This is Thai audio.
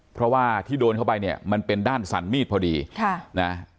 เพราะว่าที่โดนเข้าไปเนี่ยมันเป็นด้านสั่นมีดพอดีค่ะนะ